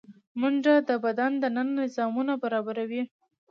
منډه د بدن دننه نظامونه برابروي